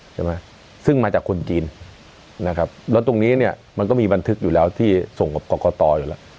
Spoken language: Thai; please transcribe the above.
ใช่ไหมซึ่งมาจากคนจีนนะครับแล้วตรงนี้เนี่ยมันก็มีบันทึกอยู่แล้วที่ส่งกับกรกตอยู่แล้ว